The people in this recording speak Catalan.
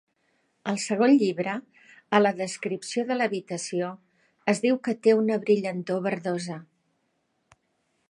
Al segon llibre, a la descripció de l'habitació es diu que té una brillantor verdosa.